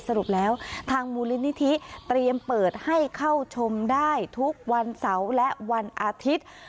สรุปแล้วทางมูลนิธิเตรียมเปิดให้เข้าชมได้ทุกวันเสาร์และวันอาทิตย์